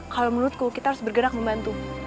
kalau menurutku kita harus bergerak membantu